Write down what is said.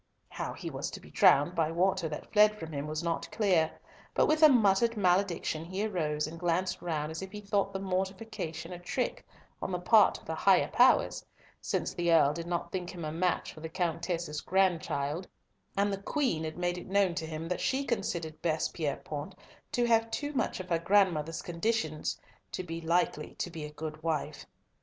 How he was to be drowned by water that fled from him was not clear, but with a muttered malediction he arose and glanced round as if he thought the mortification a trick on the part of the higher powers, since the Earl did not think him a match for the Countess's grandchild, and the Queen had made it known to him that she considered Bess Pierrepoint to have too much of her grandmother's conditions to be likely to be a good wife.